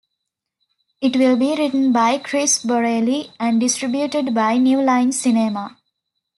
It will be written by Chris Borrelli and distributed by New Line Cinema.